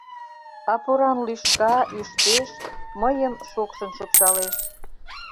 А поран лӱшка, ӱштеш, Мыйым шокшын шупшалеш.